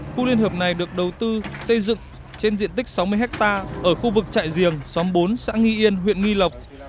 khu liên hợp này được đầu tư xây dựng trên diện tích sáu mươi hectare ở khu vực trại giềng xóm bốn xã nghi yên huyện nghi lộc